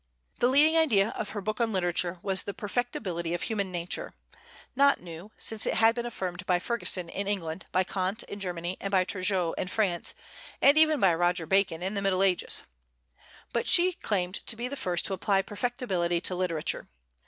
The leading idea of her book on literature was the perfectibility of human nature, not new, since it had been affirmed by Ferguson in England, by Kant in Germany, and by Turgot in France, and even by Roger Bacon in the Middle Ages. But she claimed to be the first to apply perfectibility to literature.